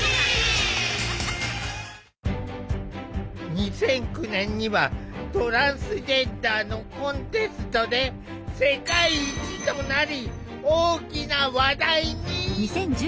２００９年にはトランスジェンダーのコンテストで世界一となり大きな話題に！